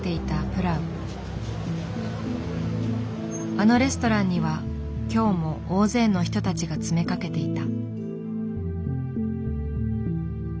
あのレストランには今日も大勢の人たちが詰めかけていた。